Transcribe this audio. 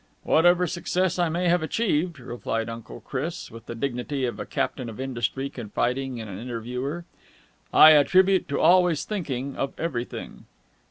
"Whatever success I may have achieved," replied Uncle Chris, with the dignity of a Captain of Industry confiding in an interviewer, "I attribute to always thinking of everything."